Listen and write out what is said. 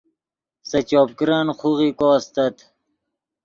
سے چوپ کرن خوغیکو استت